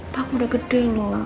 pak udah gede loh